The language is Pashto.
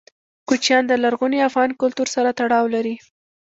کوچیان د لرغوني افغان کلتور سره تړاو لري.